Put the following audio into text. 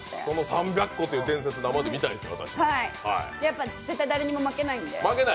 ３００個という伝説、生で見たいですよ。